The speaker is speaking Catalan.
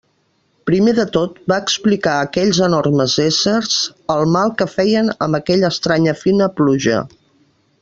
Primer de tot va explicar a aquells enormes éssers el mal que feien amb aquella estranya fina pluja.